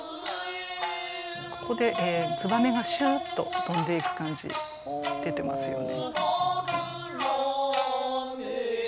ここでつばめがシュッと飛んでいく感じ出てますよね。